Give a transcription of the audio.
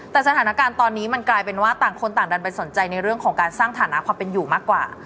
แต่สถานการณ์ตอนนี้มันกลายเป็นว่าต่างคนต่างดันไปสนใจในเรื่องของการสร้างฐานะความเป็นอยู่มากกว่า